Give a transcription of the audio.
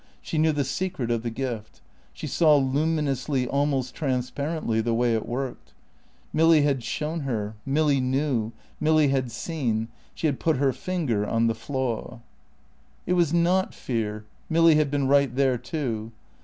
She knew the secret of the gift. She saw luminously, almost transparently, the way it worked. Milly had shown her. Milly knew; Milly had seen; she had put her finger on the flaw. It was not fear, Milly had been right there too.